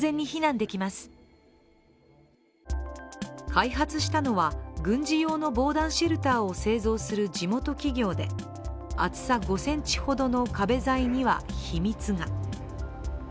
開発したのは、軍事用の防弾シェルターを製造する地元企業で厚さ５ｃｍほどの壁材には秘密が。